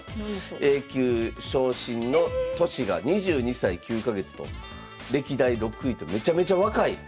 Ａ級昇進の年が２２歳９か月と歴代６位とめちゃめちゃ若い。